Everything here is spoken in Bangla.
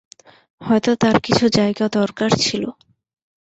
হয়তো তার কিছু জায়গা দরকার ছিল।